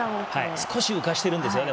少し浮かせているんですよね